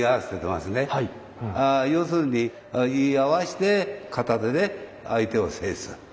要するに居合わして片手で相手を制する。